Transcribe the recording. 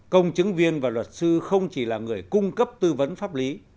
công chứng viên và luật sư không chỉ là người cung cấp tư vấn pháp lý